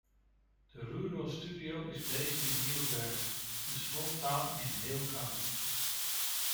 The Rural Studio is based in Newbern, a small town in Hale County.